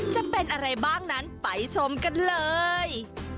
จะเป็นอะไรบ้างนั้นไปชมกันเลย